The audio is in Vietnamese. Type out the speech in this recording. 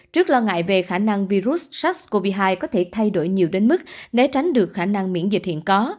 trước lo ngại về khả năng virus sars cov hai có thể thay đổi nhiều đến mức né tránh được khả năng miễn dịch hiện có